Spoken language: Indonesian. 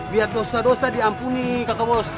biar dosa dosa diampuni kakak bos